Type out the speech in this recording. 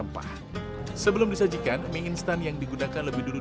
mie ceker adalah menu yang sangat menarik dan menarik